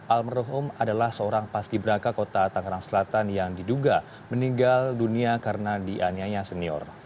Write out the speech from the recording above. almarhum adalah seorang paski beraka kota tangerang selatan yang diduga meninggal dunia karena dianiaya senior